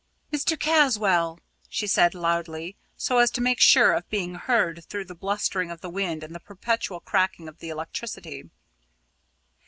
"Mr. Caswall," she said loudly, so as to make sure of being heard through the blustering of the wind and the perpetual cracking of the electricity.